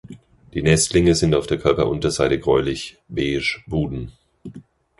Die Nestlinge sind auf der Körperunterseite gräulich beige Buden.